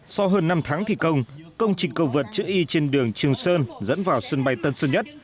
sau hơn năm tháng thi công công trình cầu vượt chữ y trên đường trường sơn dẫn vào sân bay tân sơn nhất